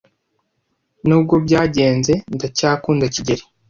Nubwo byagenze, ndacyakunda kigeli.